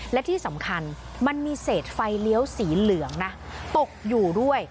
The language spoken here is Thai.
และที่สำคัญมันมีเศษไฟเลี้ยวสีเหลืองนะตกอยู่ด้วย